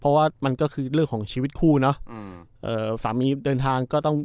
เพราะว่ามันก็คือเรื่องของชีวิตคู่เนอะอืมเอ่อสามีเดินทางก็ต้อง